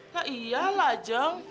tak iyalah jang